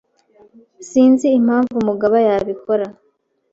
Sinzi impamvu mugabo yabikora.